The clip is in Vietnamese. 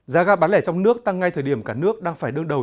giá ga bán lẻ trong nước tăng ngay thời điểm cả nước đang phải đương đầu